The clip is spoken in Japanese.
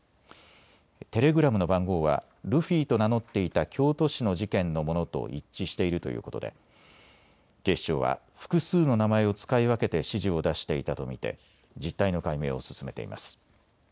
テレグラムの番号はルフィと名乗っていた京都市の事件のものと一致しているということで警視庁は複数の名前を使い分けて指示を出していたと見て実態の解明を進めています。